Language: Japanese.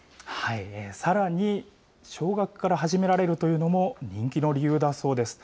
さらに、少額から始められるというのも人気の理由だそうです。